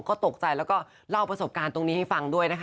ก็ตกใจแล้วก็เล่าประสบการณ์ตรงนี้ให้ฟังด้วยนะคะ